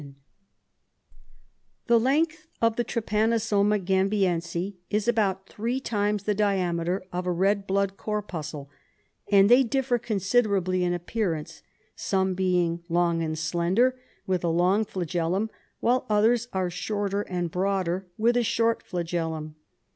SLEEPING SICKNESS 35 The length of the Trypanosoma gamhiense is about three times the diameter of a red blood corpuscle, and they differ considerably in appearance, some being long and slender, with a long flagellum, while others are shorter and broader with a short flagellum.